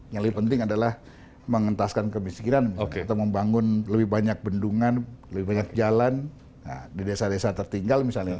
yang lebih penting adalah mengentaskan kemiskinan atau membangun lebih banyak bendungan lebih banyak jalan di desa desa tertinggal misalnya